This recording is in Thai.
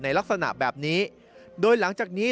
ลักษณะแบบนี้โดยหลังจากนี้